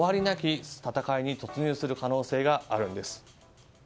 なき戦いに突入する可能性があるんです。